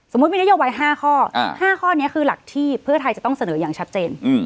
มีนโยบาย๕ข้อ๕ข้อนี้คือหลักที่เพื่อไทยจะต้องเสนออย่างชัดเจน